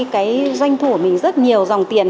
cái doanh thu của mình rất nhiều dòng tiền